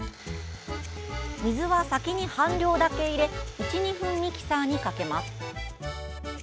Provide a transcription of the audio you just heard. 水は、先に半量だけ入れ１２分ミキサーにかけます。